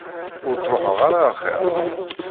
Ur ttruḥeɣ ara axir.